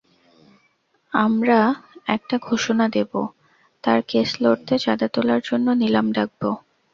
আমরা একটা ঘোষণা দেবো, তার কেস লড়তে চাঁদা তোলার জন্য নিলাম ডাকবো।